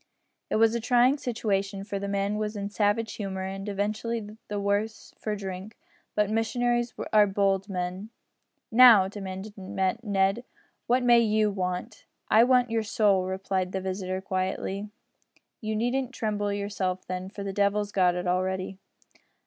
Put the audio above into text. It was a trying situation, for the man was in a savage humour, and evidently the worse for drink. But missionaries are bold men. "Now," demanded Ned, "what may you want?" "I want your soul," replied his visitor, quietly. "You needn't trouble yourself, then, for the devil's got it already."